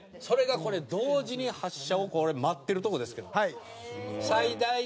それがこれ同時に発車を待ってるとこですけども。